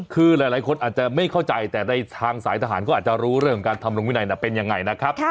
คือหลายคนอาจจะไม่เข้าใจแต่ในทางสายทหารก็อาจจะรู้เรื่องการทำลงวินัยเป็นยังไงนะครับ